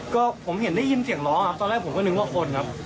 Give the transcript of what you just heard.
ก็ผมเห็นได้ยินเสียงล้อครับตอนแรกผมก็นึกว่าคนครับ